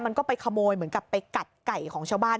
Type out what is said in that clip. มันก็ไปขโมยเหมือนกับไปกัดไก่ของชาวบ้าน